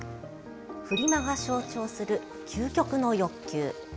「フリマが象徴する究極の欲求」。